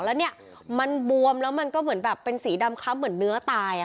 แล้วเนี่ยมันบวมแล้วมันก็เหมือนแบบเป็นสีดำคล้ำเหมือนเนื้อตาย